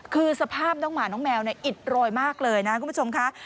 คือสภาพหนักหมาแมวอิดลอยมากเลยนะคุณผู้ชมคะ